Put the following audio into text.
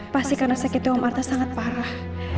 pasti karena sakit jauh mata sangat parah